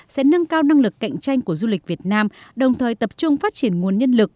sẽ nâng cao năng lực cạnh tranh của du lịch việt nam đồng thời tập trung phát triển nguồn nhân lực